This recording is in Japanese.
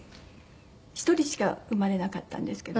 １人しか生まれなかったんですけど。